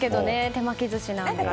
手巻き寿司なんかで。